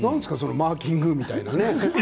マーキングみたいな。